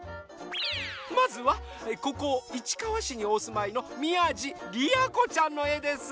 まずはここいちかわしにおすまいのみやじりやこちゃんのえです。